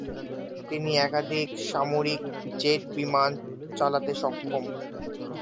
তিনি একাধিক সামরিক জেট বিমান চালাতে সক্ষম।